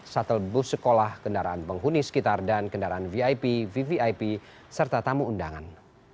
shuttle bus sekolah kendaraan penghuni sekitar dan kendaraan vip vvip serta tamu undangan